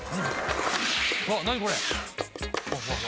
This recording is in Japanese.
何これ？